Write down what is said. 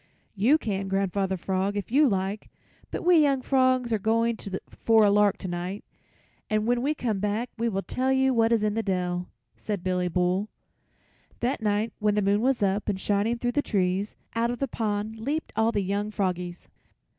"You can, Grandfather Frog, if you like, but we young frogs are going for a lark tonight, and when we come back we will tell you what is in the dell," said Billy Bull. That night when the moon was up and shining through the trees, out of the pond leaped all the young froggies.